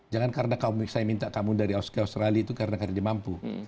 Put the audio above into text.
jangan karena saya minta kamu dari australia itu karena dia mampu